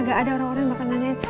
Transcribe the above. gak ada orang orang yang bakal nanya